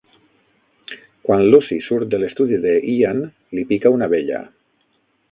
Quan Lucy surt de l'estudi de Ian, li pica una abella.